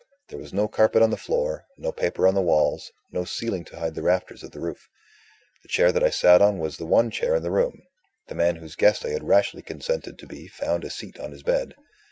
There was no carpet on the floor, no paper on the walls, no ceiling to hide the rafters of the roof. The chair that I sat on was the one chair in the room; the man whose guest I had rashly consented to be found a seat on his bed.